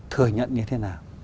thừa nhận như thế nào